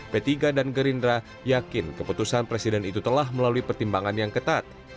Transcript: p tiga dan gerindra yakin keputusan presiden itu telah melalui pertimbangan yang ketat